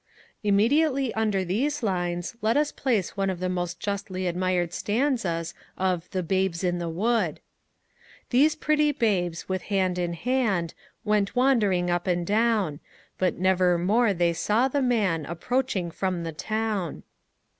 Immediately under these lines let us place one of the most justly admired stanzas of the 'Babes in the Wood,' These pretty Babes with hand in hand Went wandering up and down; But never more they saw the Man Approaching from the Town.